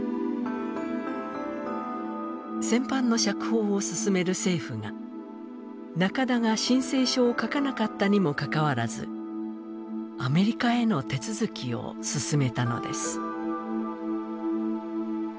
戦犯の釈放を進める政府が中田が申請書を書かなかったにもかかわらずアメリカへの手続きを進めたのです。